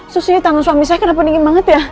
susi tangan suami saya kenapa dingin banget ya